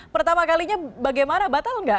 pertama kalinya bagaimana batal nggak